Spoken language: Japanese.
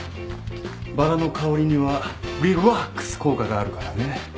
バラの香りにはリラックス効果があるからね。